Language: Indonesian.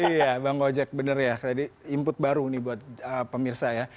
iya bang gojek bener ya tadi input baru nih buat pemirsa ya